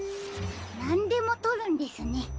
なんでもとるんですね。